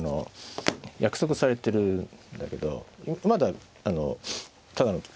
約束されてるんだけどまだただの歩なんでね。